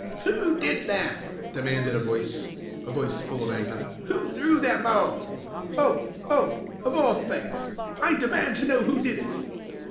"Who did that?" demanded the voice a voice full of anger. "Who threw that ball? Oh! Oh! Of all things! I demand to know who did it?"